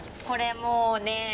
これもうね。